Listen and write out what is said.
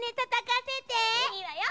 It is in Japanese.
いいわよ。